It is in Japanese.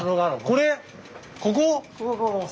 ここここ。